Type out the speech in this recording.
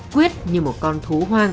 quyết như một con thú hoang